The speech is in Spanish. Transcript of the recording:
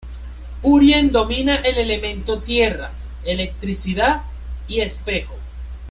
Urien domina el elemento Tierra, Electricidad y Espejo.